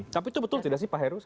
tapi itu betul tidak sih pak heru